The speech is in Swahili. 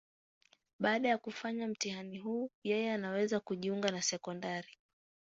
Baada ya kufanya mtihani huu, yeye anaweza kujiunga na sekondari.